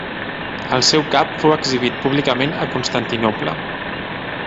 El seu cap fou exhibit públicament a Constantinoble.